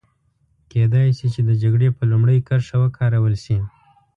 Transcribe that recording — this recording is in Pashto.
کېدای شي چې د جګړې په لومړۍ کرښه وکارول شي.